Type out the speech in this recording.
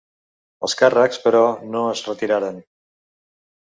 Els càrrecs, però, no es retiraren.